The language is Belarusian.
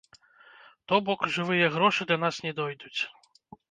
То бок, жывыя грошы да нас не дойдуць.